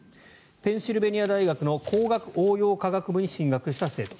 ペンシルベニア大学の工学・応用科学部に進学した生徒。